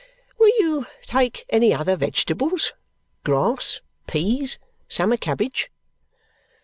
"Will you take any other vegetables? Grass? Peas? Summer cabbage?"